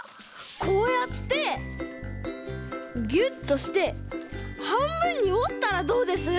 こうやってギュッとしてはんぶんにおったらどうです？